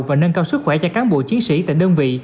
và nâng cao sức khỏe cho cán bộ chiến sĩ tại đơn vị